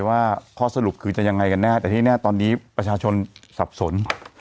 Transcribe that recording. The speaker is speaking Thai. ว่าข้อสรุปคือจะยังไงกันแน่แต่ที่แน่ตอนนี้ประชาชนสับสน